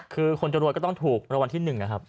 คือคนจะรวยก็ต้องถูกรางวัลที่๑นะครับ